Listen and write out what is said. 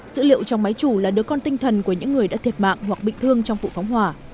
dữ liệu trong máy chủ là đứa con tinh thần của những người đã thiệt mạng hoặc bị thương trong vụ phóng hỏa